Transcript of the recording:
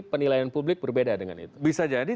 penilaian publik berbeda dengan itu bisa jadi